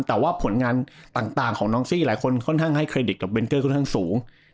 แต่ว่าผลงานต่างของน้องซี่หลายคนค่อนข้างให้เครดิตกับเนเกอร์ค่อนข้างสูง